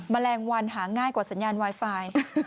แมลงวันหาง่ายกว่าสัญญาณไวไฟ